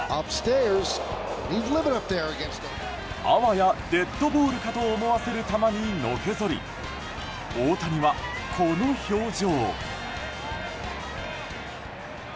あわやデッドボールかと思わせる球に、のけぞり大谷は、この表情。